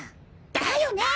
だよね！